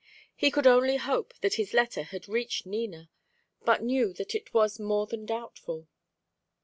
He could only hope that his letter had reached Nina, but knew that it was more than doubtful.